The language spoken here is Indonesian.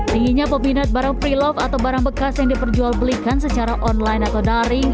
tingginya popinat barang prelove atau barang bekas yang diperjual belikan secara online atau daring